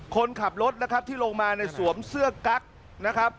คนขับรถนะครับที่ลงมาในสวมเสื้อกั๊กนะครับ